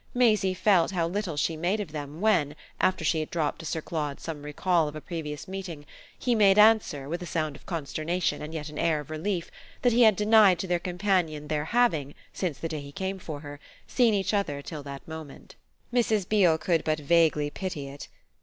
Maisie felt how little she made of them when, after she had dropped to Sir Claude some recall of a previous meeting, he made answer, with a sound of consternation and yet an air of relief, that he had denied to their companion their having, since the day he came for her, seen each other till that moment. Mrs. Beale could but vaguely pity it.